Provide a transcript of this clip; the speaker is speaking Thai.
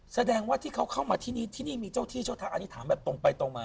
แสดงว่าที่เขาเข้ามาที่นี่ที่นี่มีเจ้าที่เจ้าทางอันนี้ถามแบบตรงไปตรงมา